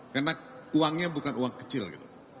karena uangnya bukan uang kecil gitu